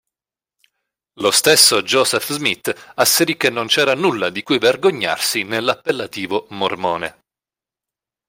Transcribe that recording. Lo stesso Joseph Smith asserì che non c'era nulla di cui vergognarsi nell'appellativo "mormone".